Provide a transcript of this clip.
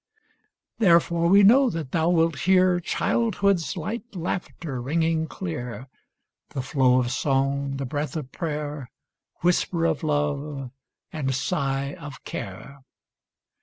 Therefore we know that thou wilt hear Childhood's light laughter ringing clear ; The flow of song, the breath of prayer, Whisper of love, and sigh of care.